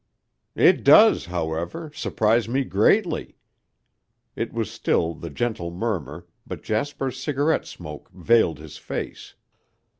"It does, however, surprise me greatly." It was still the gentle murmur, but Jasper's cigarette smoke veiled his face.